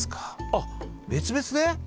あっ別々で？